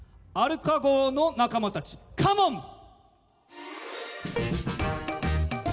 アルカ号の仲間たちカモン！